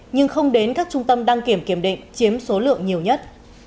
nhưng không đến các trung tâm đăng kiểm kiểm định chiếm số lượng nhiều nhất